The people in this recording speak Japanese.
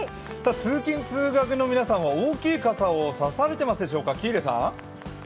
通勤通学の皆さんは大きい傘を差されてますでしょうか？